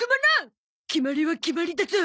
決まりは決まりだゾ。